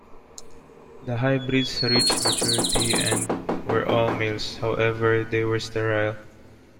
The hybrids reached maturity and were all males, however they were sterile.